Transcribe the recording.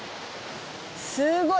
すごい。